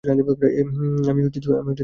আমি জেগে আছি।